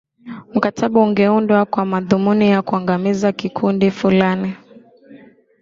mkataba ungeundwa kwa madhumuni ya kuangamiza kikundi fulani